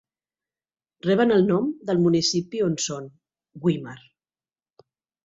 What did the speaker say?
Reben el nom del municipi on són, Güímar.